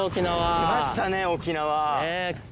来ましたね沖縄。